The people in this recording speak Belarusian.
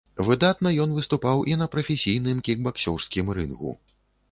Выдатна ён выступаў і на прафесійным кікбаксёрскім рынгу.